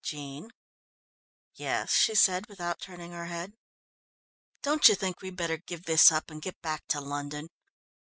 "Jean." "Yes," she said without turning her head. "Don't you think we'd better give this up and get back to London?